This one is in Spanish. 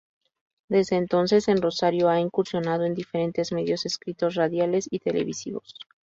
Desde entonces, en Rosario, ha incursionado en diferentes medios escritos, radiales y televisivos.